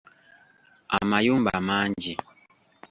Amayumba mangi.